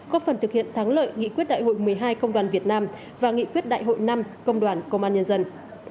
có phần thực hiện thắng lợi nghị quyết đại hội một mươi hai công đoàn việt nam và nghị quyết đại hội năm công đoàn công an nhân dân